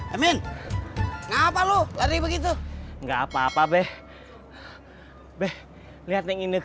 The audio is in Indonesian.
emin kenapa lo lari begitu nggak apa apa beh beh lihat ini enggak enggak